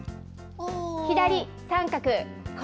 左、三角。